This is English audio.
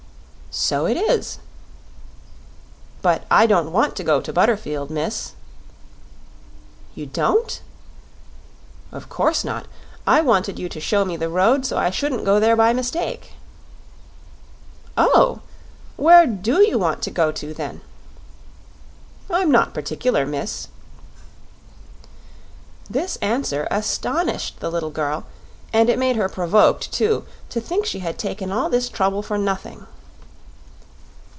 "So it is." "But I don't want to go to Butterfield, miss." "You don't?" "Of course not. I wanted you to show me the road, so I shouldn't go there by mistake." "Oh! Where DO you want to go, then?" "I'm not particular, miss." This answer astonished the little girl; and it made her provoked, too, to think she had taken all this trouble for nothing.